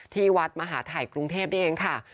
ที่วัดมหาทัยกรุงเทพนี่เองค่ะ